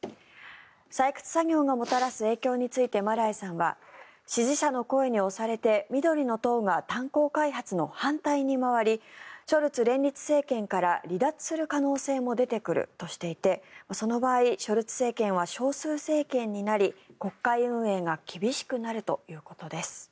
採掘作業がもたらす影響についてマライさんは支持者の声に押されて緑の党が炭鉱開発の反対に回りショルツ連立政権から離脱する可能性も出ているとしていてその場合ショルツ政権は少数政権になり国会運営が厳しくなるということです。